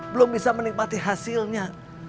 belum bisa menikmati hasilnya